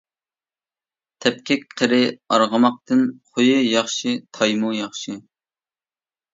تەپكەك قىرى ئارغىماقتىن، خۇيى ياخشى تايمۇ ياخشى.